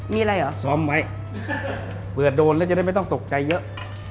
มีอะไรเหรอซ้อมไว้เผื่อโดนแล้วจะได้ไม่ต้องตกใจเยอะ